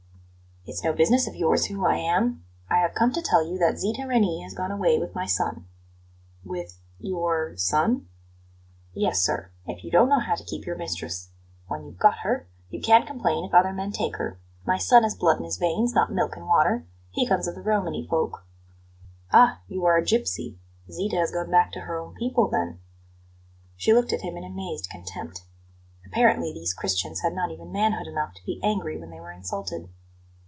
"It's no business of yours who I am. I have come to tell you that Zita Reni has gone away with my son." "With your son?" "Yes, sir; if you don't know how to keep your mistress when you've got her, you can't complain if other men take her. My son has blood in his veins, not milk and water; he comes of the Romany folk." "Ah, you are a gipsy! Zita has gone back to her own people, then?" She looked at him in amazed contempt. Apparently, these Christians had not even manhood enough to be angry when they were insulted.